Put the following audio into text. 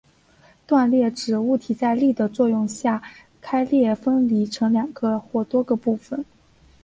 断裂指物体在力的作用下开裂分离成两个或多个部分。